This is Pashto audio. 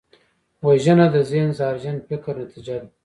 وژنه د ذهن زهرجن فکر نتیجه ده